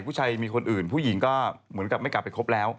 ผู้ชายมีคนอื่นผู้หญิงก็เหมือนกับไม่กลับไปคบแล้ว